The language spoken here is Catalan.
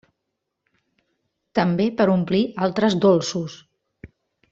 També per omplir altres dolços.